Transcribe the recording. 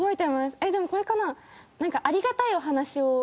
えっでもこれかな？